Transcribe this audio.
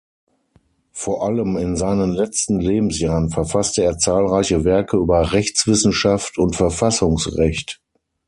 Vor allem in seinen letzten Lebensjahren verfasste er zahlreiche Werke über Rechtswissenschaft und Verfassungsrecht.